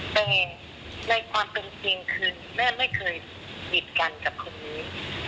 แต่ในความเป็นจริงคือแม่ไม่เคยบิดกันกับคนนี้